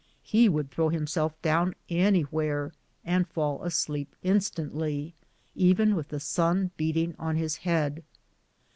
He would throw himself down anywhere and fall asleep instantly, even with the sun beating on his head.